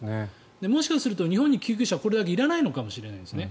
もしかすると日本に救急車がこれだけいらないのかもしれないですね。